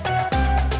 saya juga ngantuk